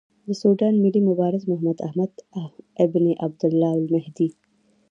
د سوډان ملي مبارز محمداحمد ابن عبدالله المهدي.